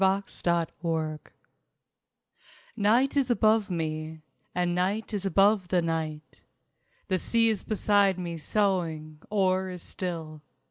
SOMNAMBULISM I Night is above me, And Night is above the night. The sea is beside me soughing, or is still.